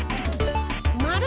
まる！